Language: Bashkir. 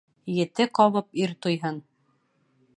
Ете ҡабып ир туйһын.